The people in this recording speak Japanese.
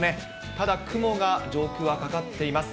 ただ雲が、上空にかかっています。